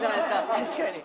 確かに。